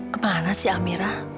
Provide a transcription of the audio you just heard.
kemana sih amira